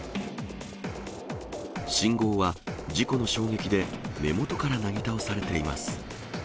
信号は事故の衝撃で根元からなぎ倒されています。